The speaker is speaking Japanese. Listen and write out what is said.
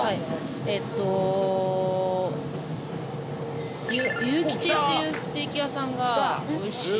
えっとゆうき亭っていうステーキ屋さんがおいしい。